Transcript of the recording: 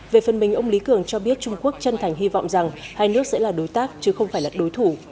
về phần mình ông lý cường cho biết trung quốc chân thành hy vọng rằng hai nước sẽ là đối tác chứ không phải là đối thủ